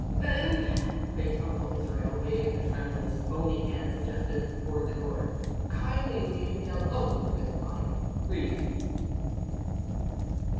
"Then," creaked Uncle Israel, waving a tremulous, bony hand suggestively toward the door, "kindly leave me alone with my grief."